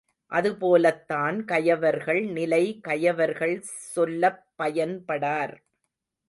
அதுபோலத்தான் கயவர்கள் நிலை கயவர்கள் சொல்லப் பயன்படார்.